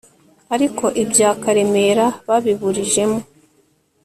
ariko ibya karemera babiburijemo